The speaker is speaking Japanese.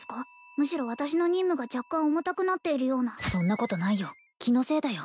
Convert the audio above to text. むしろ私の任務が若干重たくなっているようなそんなことないよ気のせいだよ